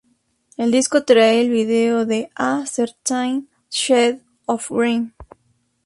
El disco trae el vídeo de "A Certain Shade of Green".